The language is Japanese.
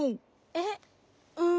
えっうん。